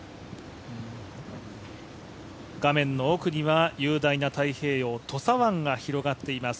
画面の奥には雄大な太平洋、土佐湾が広がっています。